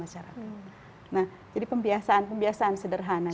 jadi pembiasaan sederhana